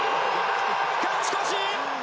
勝ち越し！